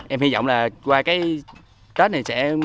em hy vọng là qua cái tết này sẽ